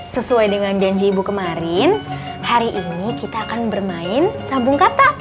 sesuai dengan janji ibu kemarin hari ini kita akan bermain sabung kata